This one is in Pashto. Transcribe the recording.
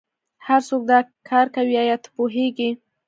هرڅوک دا کار کوي ایا ته پوهیږې